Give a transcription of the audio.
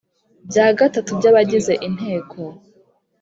bya gatatu by abagize Inteko